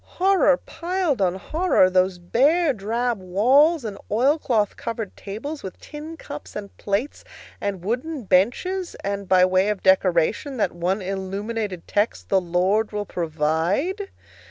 Horror piled on horror those bare drab walls and oil cloth covered tables with tin cups and plates and wooden benches, and, by way of decoration, that one illuminated text, "The Lord Will Provide"!